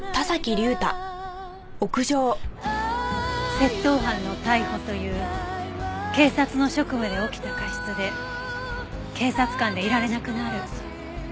窃盗犯の逮捕という警察の職務で起きた過失で警察官でいられなくなる。